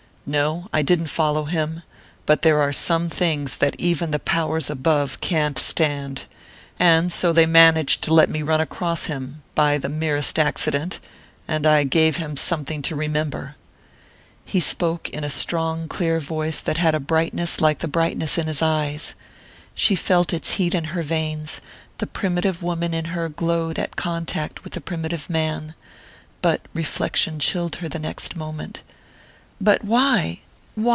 "No. I didn't follow him. But there are some things that even the powers above can't stand. And so they managed to let me run across him by the merest accident and I gave him something to remember." He spoke in a strong clear voice that had a brightness like the brightness in his eyes. She felt its heat in her veins the primitive woman in her glowed at contact with the primitive man. But reflection chilled her the next moment. "But why why?